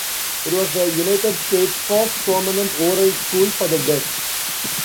It was the United States' first permanent oral school for the deaf.